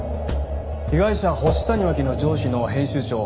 被害者星谷真輝の上司の編集長